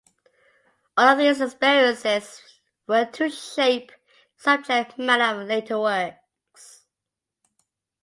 All of these experiences were to shape the subject matter of later works.